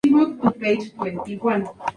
Tiene servicio de comidas y duchas de agua fría.